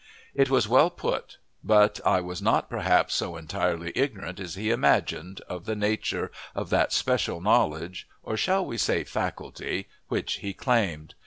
It was well put; but I was not perhaps so entirely ignorant as he imagined of the nature of that special knowledge, or shall we say faculty, which he claimed.